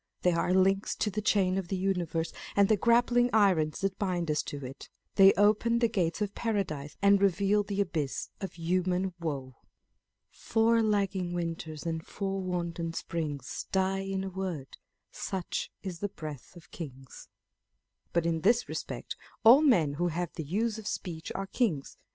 They are links in the chain of the universe, and the grappling irons that bind us to it. They open the gates of Paradise, and reveal the abyss of human woe. Four lagging winters and four wanton springs Die iu a word ; such is the breath of kings. But in this respect all men who have the use of speech are kings.